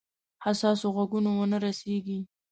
حساسو غوږونو ونه رسیږي.